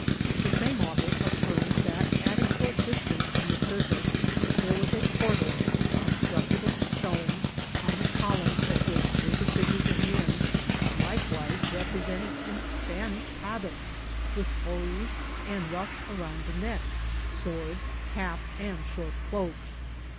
The same author af firms that at a short distance firom the circus there was a portal constructed of stone, on the columns of which were the figures of men, likewise represented in Span* iA habitSj with hose, and rufi* around the neck, sword, cap, and short cloak.